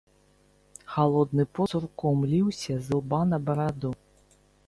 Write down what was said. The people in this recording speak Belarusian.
Халодны пот цурком ліўся з ілба на бараду.